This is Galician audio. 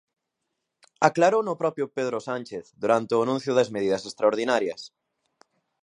Aclarouno o propio Pedro Sánchez durante o anuncio das medidas extraordinarias.